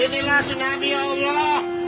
ya allah tsunami ya allah